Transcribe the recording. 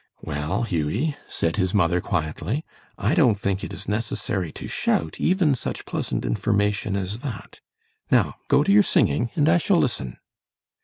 "Well, Hughie," said his mother, quietly, "I don't think it is necessary to shout even such pleasant information as that. Now go to your singing, and I shall listen."